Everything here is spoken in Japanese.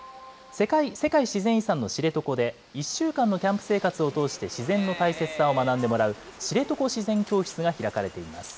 世界自然遺産の知床で、１週間のキャンプ生活を通して自然の大切さを学んでもらう、知床自然教室が開かれています。